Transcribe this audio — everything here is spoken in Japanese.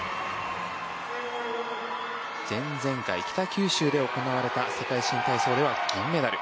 前々回、北九州で行われた世界新体操では銀メダル。